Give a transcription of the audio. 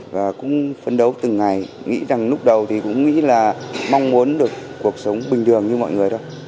và cũng phấn đấu từng ngày nghĩ rằng lúc đầu thì cũng nghĩ là mong muốn được cuộc sống bình thường như mọi người thôi